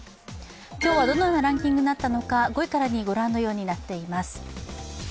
今日はどのようなランキングになったのか５位から２位、ご覧のようになっています。